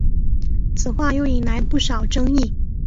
此话又引来不少争议。